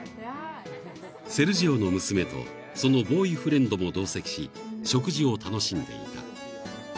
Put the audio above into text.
［セルジオの娘とそのボーイフレンドも同席し食事を楽しんでいた］